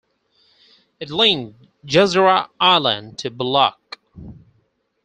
It linked Gezira Island to Bulaq.